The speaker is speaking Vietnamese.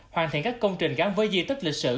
hoàn thiện các công trình gắn với di tích lịch sử